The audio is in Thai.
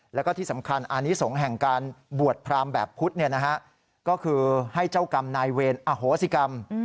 แล้วก็ที่สำคัญอานิสงฆ์แห่งการบวชพรามแบบพุทธก็คือให้เจ้ากรรมนายเวรอโหสิกรรม